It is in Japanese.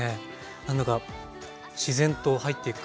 何だか自然と入っていく感じが。